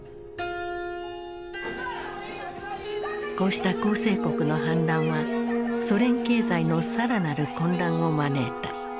こうした構成国の反乱はソ連経済の更なる混乱を招いた。